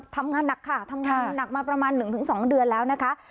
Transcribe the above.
ทำงานหนักค่ะทำงานหนักมาประมาณ๑๒เดือนแล้วนะคะ